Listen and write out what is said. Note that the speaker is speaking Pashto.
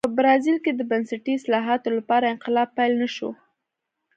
په برازیل کې د بنسټي اصلاحاتو لپاره انقلاب پیل نه شو.